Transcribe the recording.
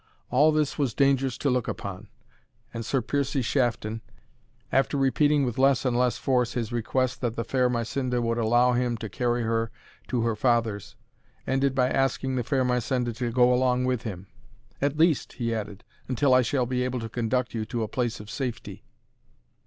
All this was dangerous to look upon, and Sir. Piercie Shafton, after repeating with less and less force his request that the fair Mysinda would allow him to carry her to her father's, ended by asking the fair Mysinda to go along with him "At least," he added, "until I shall be able to conduct you to a place of safety."